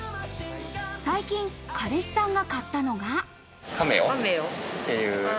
最近、彼氏さんが買ったのが。